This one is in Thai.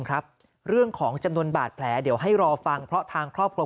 ครับเรื่องของจำนวนบาดแผลเดี๋ยวให้รอฟังเพราะทางครอบครัว